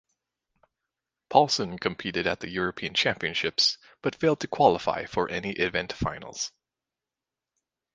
Paulsson competed at the European Championships but failed to qualify for any event finals.